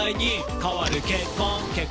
「変わる結婚」